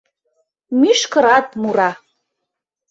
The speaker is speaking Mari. Мӱшкырат мура.